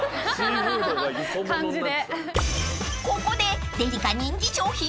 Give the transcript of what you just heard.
［ここでデリカ人気商品